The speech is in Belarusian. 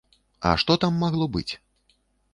А што там магло быць?